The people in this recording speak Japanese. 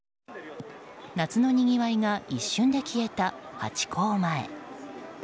夏のにぎわいが一瞬で消えたハチ公前。